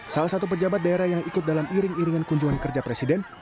salah satu pejabat daerah yang ikut dalam iring iringan kunjungan kerja presiden